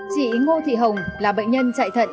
chị ngô thị hồng là bệnh nhân chạy thận